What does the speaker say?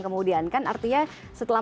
kemudian kan artinya setelah